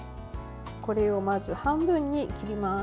これをまず半分に切ります。